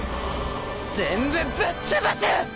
全部ぶっつぶす！！